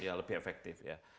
iya lebih efektif ya